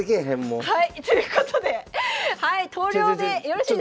はいということで投了でよろしいですか？